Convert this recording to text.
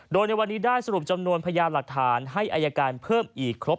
โดยในวันนี้ได้สรุปจำนวนพยานหลักฐานให้อายการเพิ่มอีกครบ